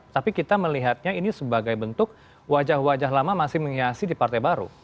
tapi kita melihatnya ini sebagai bentuk wajah wajah lama masih menghiasi di partai baru